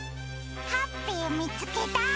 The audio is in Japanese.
ハッピーみつけた！